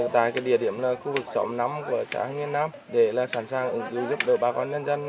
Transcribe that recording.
tại địa điểm là khu vực sáu mươi năm của xã hương yên nam để sẵn sàng ứng cứu giúp đỡ bà con nhân dân